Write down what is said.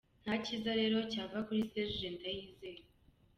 Ntakiza rero cyava kuri Serge Ndayizeye.